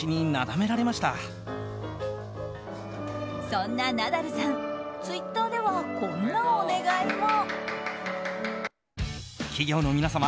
そんなナダルさんツイッターではこんなお願いも。